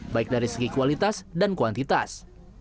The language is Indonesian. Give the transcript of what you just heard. baik dari segi kualitas dan kuantitas